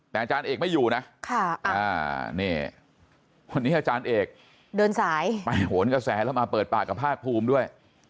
แต่อาจารย์เอกไม่อยู่นะนี่วันนี้อาจารย์เอกเดินสายไปโหนกระแสแล้วมาเปิดปากกับภาคภูมิด้วย